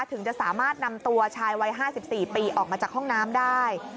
ถึงจะสามารถนำตัวชายวัย๕๔ปีออกมาจากห้องน้ำได้